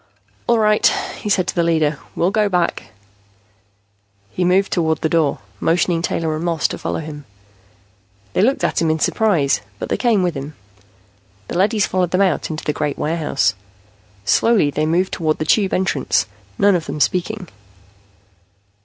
"All right," he said to the leader. "We'll go back." He moved toward the door, motioning Taylor and Moss to follow him. They looked at him in surprise, but they came with him. The leadys followed them out into the great warehouse. Slowly they moved toward the Tube entrance, none of them speaking.